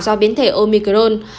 do biến thể omicron